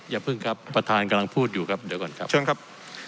อย่าพึ่งครับประธานกำลังพูดอยู่ครับเดี๋ยวก่อนครับเชิญครับ